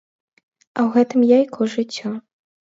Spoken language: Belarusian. А ў гэтым яйку жыццё.